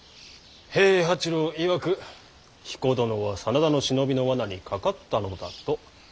平八郎いわく彦殿は真田の忍びの罠にかかったのだと。